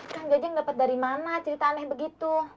kak jajang dapat dari mana cerita aneh begitu